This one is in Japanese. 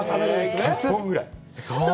１０本ぐらい。